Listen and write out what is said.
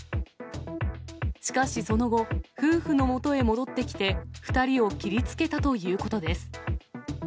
しかしその後、夫婦のもとへ戻ってきて、２人を切りつけたということです。